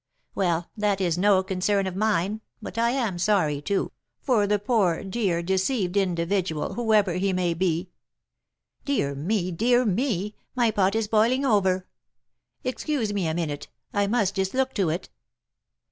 Well, that is no concern of mine, but I am sorry, too, for the poor, dear, deceived individual, whoever he may be. Dear me! Dear me! My pot is boiling over, excuse me a minute, I must just look to it.